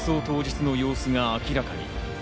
当日の様子が明らかに。